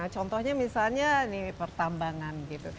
contohnya misalnya pertambangan gitu